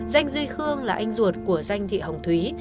danh duy khương là anh ruột của danh thị hồng thúy